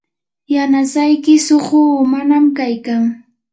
yanasayki suqu umanam kaykan.